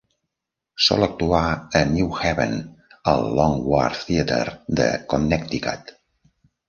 Sol actuar a New Haven, al Long Wharf Theatre de Connecticut.